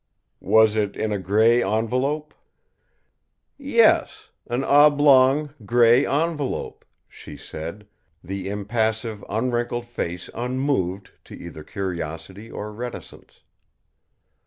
"Was it in a grey envelope?" "Yes; an oblong, grey envelope," she said, the impassive, unwrinkled face unmoved to either curiosity or reticence.